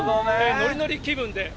ノリノリ気分で。